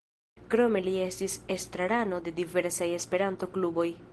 Krome li estis estrarano de diversaj Esperanto-kluboj.